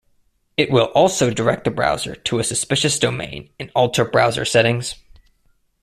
It will also direct the browser to a suspicious domain and alter browser settings.